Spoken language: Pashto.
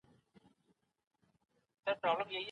په دغه کوڅې کي تګ راتګ اوس ستونزمن دی.